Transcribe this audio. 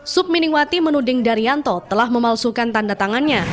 submining wati menuding daryanto telah memalsukan tanda tangannya